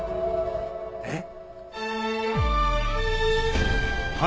えっ？